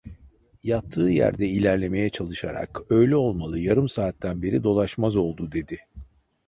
Yattığı yerde ilerlemeye çalışarak: 'Öyle olmalı, yarım saatten beri dolaşmaz oldu!' dedi.